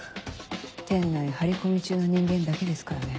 店内張り込み中の人間だけですからね。